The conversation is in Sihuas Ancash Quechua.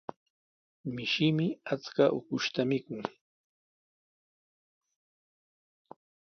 Mishimi achka ukushta mikun.